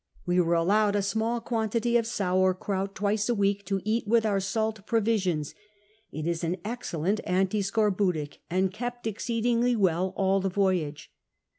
We were allowed a small quantity of sour krout, twice a ivet^k, to eat with our salt provisions ; it is an excellent antiscorbutic, and kept exceed ingly well all the voyage.